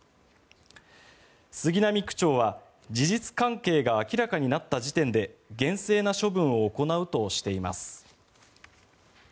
杉並区長は事実関係が明らかになった時点で厳正な処分を行うとしています。